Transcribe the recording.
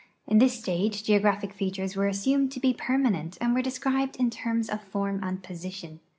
In this stage geograj)hic features were assumed to be j)ermanent and were described in terms of form and position.